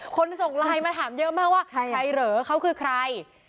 ส่งไลน์มาถามเยอะมากว่าใครเหรอเขาคือใคร